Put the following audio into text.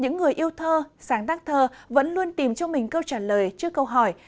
những người yêu thơ sáng tác thơ vẫn luôn tìm cho mình câu trả lời trước câu hỏi